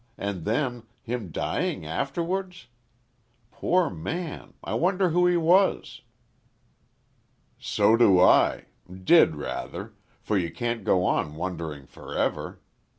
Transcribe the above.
And then him dying afterwards. Poor man, I wonder who he was." "So do I did rather for you can't go on wondering for ever.